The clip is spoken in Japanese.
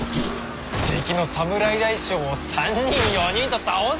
敵の侍大将を３人４人と倒してなあ！